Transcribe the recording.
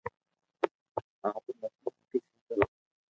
آپ رو مسلو آپ اي سھو ڪرو